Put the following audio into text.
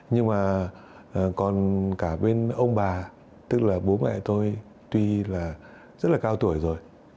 nhưng mà còn cả bên ông bà tức là bố mẹ tôi tuy là rất là cao tuổi rồi